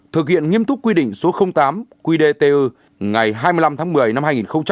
thực hiện nghiêm túc quy định số tám quy đề t u ngày hai mươi năm tháng một mươi năm hai nghìn một mươi tám